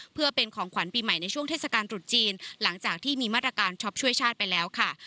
เพื่อเป็นของขวัญปีใหม่ในช่วงเทศกาลตรุษจีนหลังจากที่มีมาตรการช็อปช่วยชาติไปแล้วค่ะ